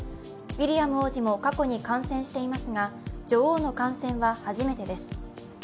ウィリアム王子も過去に感染していますが、女王の感染は初めてです。